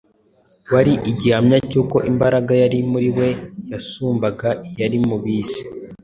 wari igihamya cy’uko imbaraga yari muri we yasumbaga iyari mu b’isi.